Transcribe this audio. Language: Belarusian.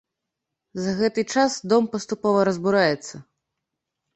За гэты час дом паступова разбураецца.